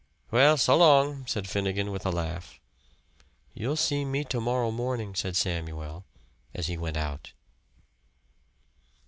"Well, so long," said Finriegan, with a laugh. "You'll see me to morrow morning," said Samuel, as he went out.